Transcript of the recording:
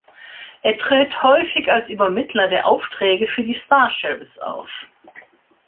Er tritt häufig als Übermittler der Aufträge für die Star Sheriffs auf.